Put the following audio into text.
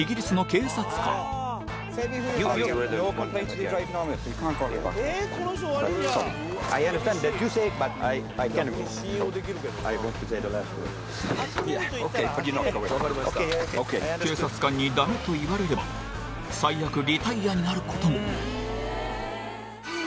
警察官に駄目と言われれば最悪、リタイアになることも。